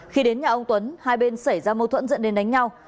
khi đến nhà ông tuấn hai bên xảy ra mâu thuẫn dẫn đến đánh nhau